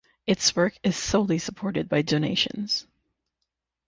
Its work is solely supported by donations.